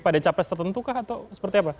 pada capres tertentu kah atau seperti apa